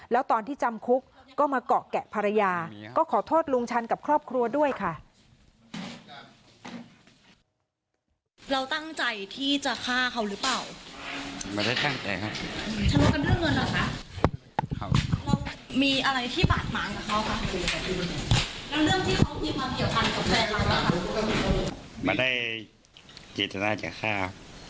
แล้วตอนที่จำคุกก็มาเกาะแกะภรรยาก็ขอโทษลุงชันกับครอบครัวด้วยค่ะ